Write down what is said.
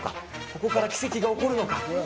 ここから奇跡が起こるのか。